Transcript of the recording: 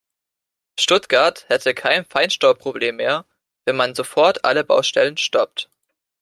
Stuttgart hätte kein Feinstaubproblem mehr, wenn man sofort alle Baustellen stoppt.